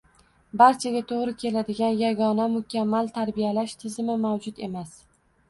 Barchaga to‘g‘ri keladigan yagona mukammal tarbiyalash tizimi mavjud emas